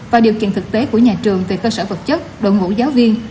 và điều kiện thực tế của nhà trường về cơ sở vật chất đội ngũ giáo viên